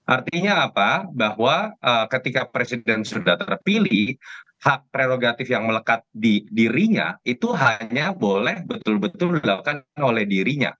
artinya apa bahwa ketika presiden sudah terpilih hak prerogatif yang melekat di dirinya itu hanya boleh betul betul dilakukan oleh dirinya